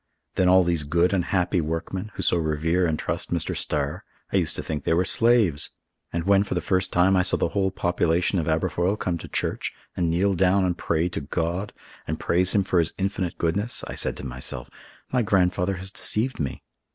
Then all these good and happy workmen, who so revere and trust Mr. Starr, I used to think they were slaves; and when, for the first time, I saw the whole population of Aberfoyle come to church and kneel down to pray to God, and praise Him for His infinite goodness, I said to myself, 'My grandfather has deceived me.